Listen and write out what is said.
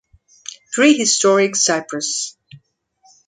Prehistoric Cyprus